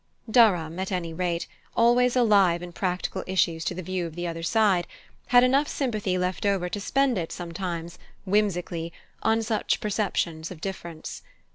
Durham, at any rate, always alive in practical issues to the view of the other side, had enough sympathy left over to spend it sometimes, whimsically, on such perceptions of difference.